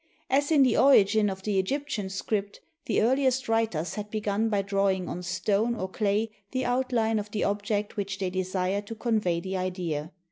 As in the origin of the Egyptian script, the earliest writers had begun by drawing on stone or clay the outline of the object which they desired to convey the idea.